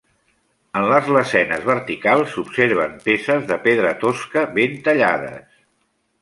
En les lesenes verticals s'observen peces de pedra tosca ben tallades.